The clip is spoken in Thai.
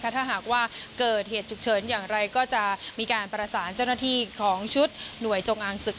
ถ้าหากว่าเกิดเหตุฉุกเฉินอย่างไรก็จะมีการประสานเจ้าหน้าที่ของชุดหน่วยจงอางศึก